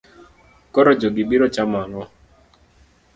Koro jogi biro chamo ang'o?